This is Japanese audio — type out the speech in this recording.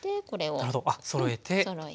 あなるほどそろえて。